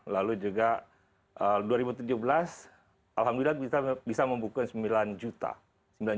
lalu juga dua ribu tujuh belas alhamdulillah kita bisa membuka sembilan juta